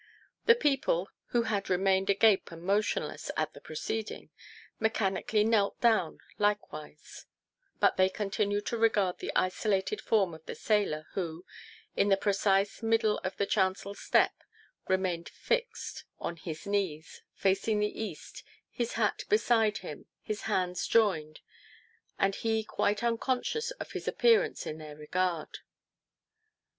The people, who had remained agape and motionless at the proceeding, mechanically knelt down like wise ; but they continued to regard the isolated form of the sailor who, in the precise middle of the chancel step, remained fixed on his 402 JO F^LEASE HIS WIFE. knees, facing the east, his hat beside him, his hands joined, and he quite unconscious of his appearance in their regard.